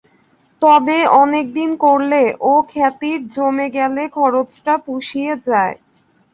তবে অনেকদিন করলে ও খাতির জমে গেলে খরচটা পুষিয়ে যায়।